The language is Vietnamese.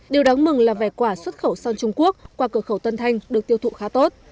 điều đáng mừng là vẻ quả xuất khẩu sang trung quốc qua cửa khẩu tân thanh được tiêu thụ khá tốt